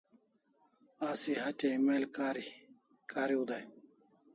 Asi hatya email kariu dai